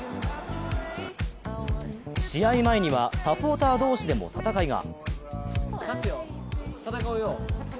試合前にはサポーター同士でも戦いが。